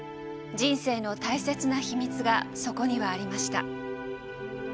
人生の大切な秘密がそこにはありました。